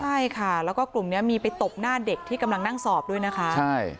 ใช่ค่ะแล้วก็กลุ่มนี้มีไปตบหน้าเด็กที่กำลังนั่งสอบด้วยนะคะใช่